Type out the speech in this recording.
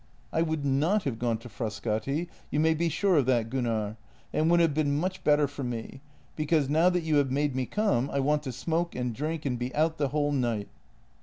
" I would not have gone to Frascati, you may be sure of that, Gunnar, and it would have been much better for me, be cause now that you have made me come I want to smoke and drink and be out the whole night."